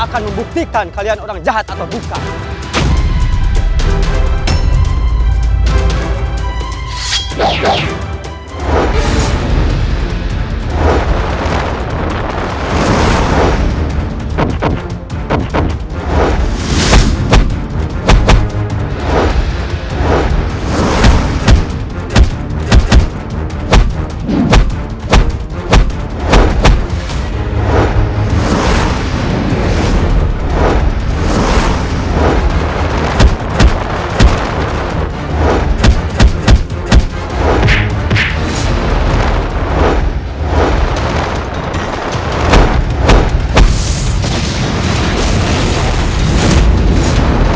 kami bukan orang jahat yang pernah sekondis